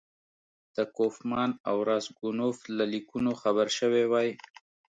د کوفمان او راسګونوف له لیکونو خبر شوی وای.